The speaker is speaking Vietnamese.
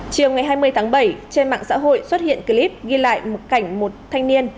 chiều ngày hai mươi tháng bảy trên mạng xã hội xuất hiện clip ghi lại một cảnh một thanh niên